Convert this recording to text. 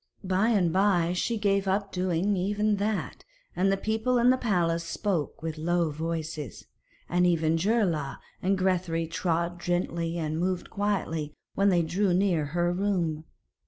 By and by she gave up doing even that, and people in the palace spoke with low voices, and even Geirlaug and Grethari trod gently and moved quietly when they drew near her room.